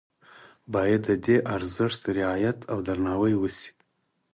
باید د دې ارزښت رعایت او درناوی وشي.